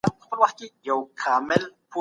سياستپوهنه د پروګرام جوړوني سره کلکي اړيکي لري.